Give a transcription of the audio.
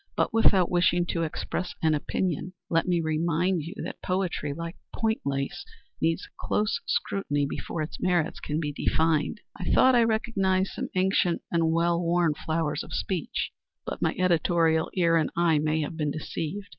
But without wishing to express an opinion, let me remind you that poetry, like point lace, needs close scrutiny before its merits can be defined. I thought I recognized some ancient and well worn flowers of speech, but my editorial ear and eye may have been deceived.